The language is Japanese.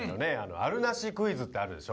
あるなしクイズってあるでしょ？